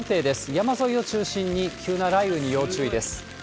山沿いを中心に急な雷雨に要注意です。